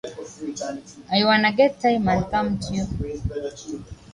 Hawker was located between the seats of Hindmarsh and Kingston.